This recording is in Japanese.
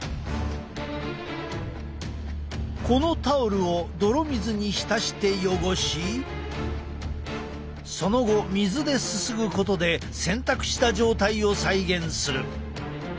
このタオルをどろ水に浸して汚しその後水ですすぐことで洗濯した状態を再現する。